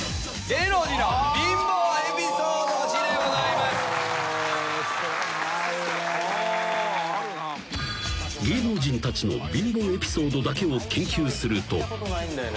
［芸能人たちの貧乏エピソードだけを研究すると］